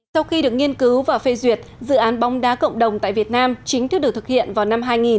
sau khi được nghiên cứu và phê duyệt dự án bóng đá cộng đồng tại việt nam chính thức được thực hiện vào năm hai nghìn